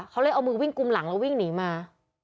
เขาเลยเอามือวิ่งกุมหลังแล้ววิ่งหนีมา